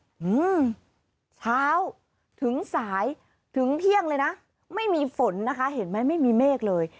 อืมเช้าถึงสายถึงเที่ยงเลยนะไม่มีฝนนะคะเห็นไหมไม่มีเมฆเลย